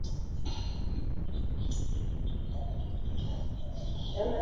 Llevó a cabo exhaustivas investigaciones sobre cristales y minerales, además de rocas.